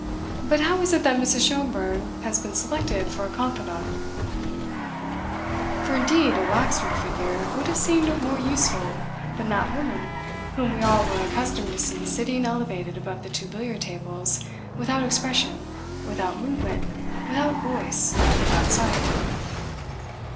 But how is it that Mrs. Schomberg has been selected for a confidante?" For indeed a waxwork figure would have seemed more useful than that woman whom we all were accustomed to see sitting elevated above the two billiard tables without expression, without movement, without voice, without sight.